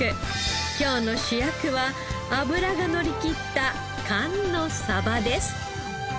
今日の主役は脂がのりきった寒のサバです。